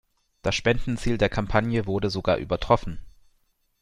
Das Spendenziel der Kampagne wurde sogar übertroffen.